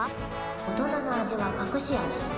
大人の味はかくし味。